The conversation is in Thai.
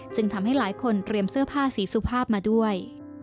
ทำให้หลายคนเตรียมเสื้อผ้าสีสุภาพมาด้วย